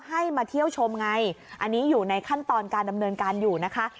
ให้มาเที่ยวชมไงอันนี้อยู่ในขั้นตอนการดำเนินการอยู่นะคะ